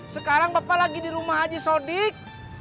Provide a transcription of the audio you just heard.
sekarang bapak lagi di rumah haji sodik